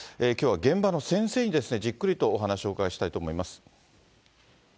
きょうは現場の先生にじっくりとお話をお伺いしたいと思います。